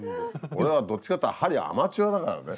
俺はどっちかっていうと針アマチュアだからね。